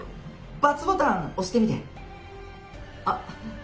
バツボタンを押してみて。